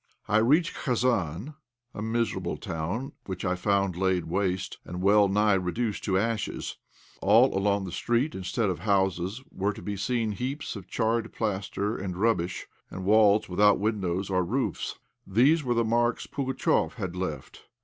I reached Khasan, a miserable town, which I found laid waste, and well nigh reduced to ashes. All along the street, instead of houses, were to be seen heaps of charred plaster and rubbish, and walls without windows or roofs. These were the marks Pugatchéf had left.